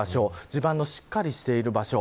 地盤のしっかりしている場所